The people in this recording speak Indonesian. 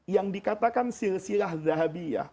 yang dikatakan silsilah dhahabiyah